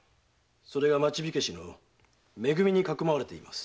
それが町火消しのめ組にかくまわれてます。